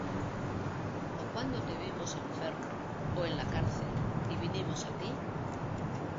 ¿O cuándo te vimos enfermo, ó en la cárcel, y vinimos á ti?